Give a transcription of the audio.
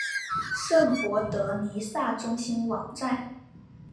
圣博德弥撒中心网站